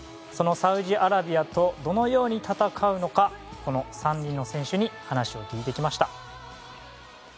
そのサウジアラビアとどのように戦うのかこの３人の選手に話を聞いてきました。